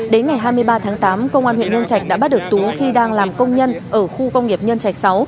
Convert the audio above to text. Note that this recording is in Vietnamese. đến ngày hai mươi ba tháng tám công an huyện nhân trạch đã bắt được tú khi đang làm công nhân ở khu công nghiệp nhân trạch sáu